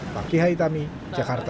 pak kiha itami jakarta